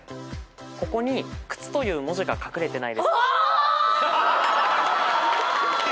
ここに「くつ」という文字が隠れてないですか？